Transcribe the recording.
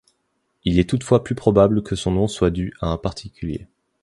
Il est toutefois plus probable que son nom soit dû à un particulier.